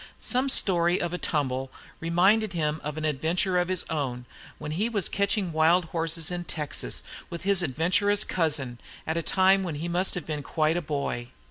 Some story of a tumble reminded him of an adventure of his own when he was catching wild horses in Texas with his adventurous cousin, at a time when he mast have been quite a boy.